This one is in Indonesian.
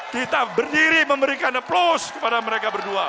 kita berdiri memberikan aplaus kepada mereka berdua